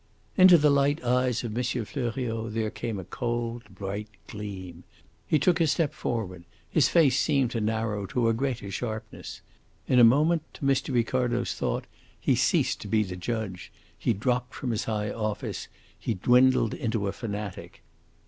Into the light eyes of M. Fleuriot there came a cold, bright gleam. He took a step forward. His face seemed to narrow to a greater sharpness. In a moment, to Mr. Ricardo's thought, he ceased to be the judge; he dropped from his high office; he dwindled into a fanatic.